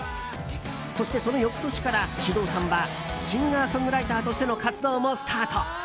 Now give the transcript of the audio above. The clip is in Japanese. そして、その翌年からｓｙｕｄｏｕさんはシンガーソングライターとしての活動もスタート。